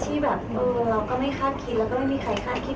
ที่แบบเออเราก็ไม่คาดคิดแล้วก็ไม่มีใครคาดคิด